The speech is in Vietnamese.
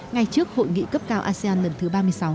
ngay trước hội nghị cấp cao asean lần thứ ba mươi sáu